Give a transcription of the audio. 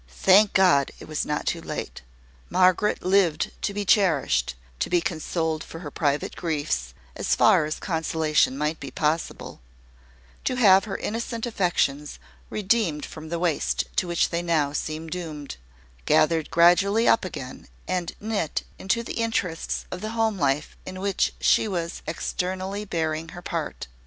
Thank God! it was not too late. Margaret lived to be cherished, to be consoled for her private griefs, as far as consolation might be possible; to have her innocent affections redeemed from the waste to which they now seemed doomed, gathered gradually up again, and knit into the interests of the home life in which she was externally bearing her part.